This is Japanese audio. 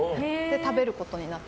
食べることになって。